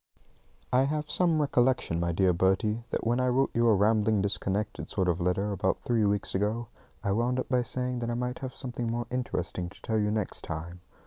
I have some recollection, my dear Bertie, that when I wrote you a rambling disconnected sort of letter about three weeks ago, I wound up by saying that I might have something more interesting to tell you next time.